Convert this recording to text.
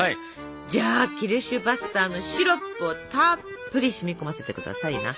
じゃあキルシュヴァッサーのシロップをたっぷり染み込ませて下さいな。